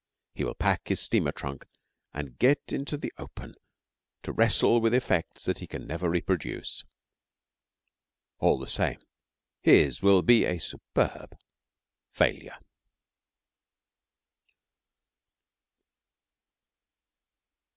He will pack his steamer trunk and get into the open to wrestle with effects that he can never reproduce. All the same his will be a superb failure.